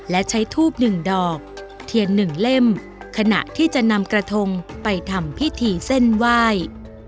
และใช้ทูบหนึ่งดอกเทียนหนึ่งเล่มขณะที่จะนำกระทงไปทำพิธีเส้นไหว้